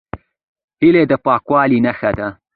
هیلۍ د پاکوالي نښه ده